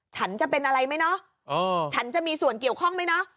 ฉันจะเป็นอะไรไหมเนาะฉันจะมีส่วนเกี่ยวข้องไหมเนาะ